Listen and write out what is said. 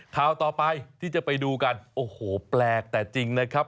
ข่าวต่อไปที่จะไปดูกันโอ้โหแปลกแต่จริงนะครับ